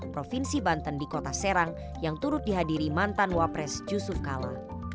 provinsi banten di kota serang yang turut dihadiri mantan wapres yusuf kala